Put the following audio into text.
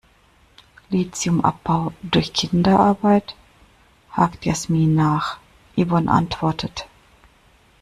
"Lithiumabbau durch Kinderarbeit?", hakt Yasmin nach. Yvonne antwortet.